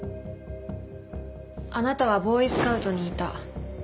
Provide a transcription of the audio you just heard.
あなたはボーイスカウトにいた。